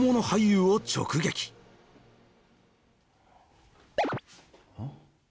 うん？